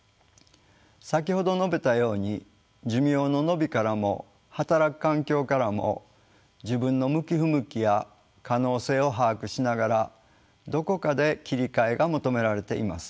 先ほど述べたように寿命の延びからも働く環境からも自分の向き不向きや可能性を把握しながらどこかで切り替えが求められています。